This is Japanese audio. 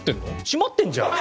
閉まってるじゃん。